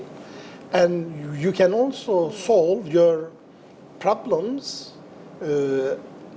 dan kami juga bisa menangani masalah kami